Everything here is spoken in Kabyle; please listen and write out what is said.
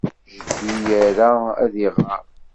Jeddi ira ad iɣer.